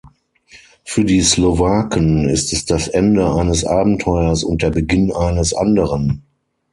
Für die Slowaken ist es das Ende eines Abenteuers und der Beginn eines anderen.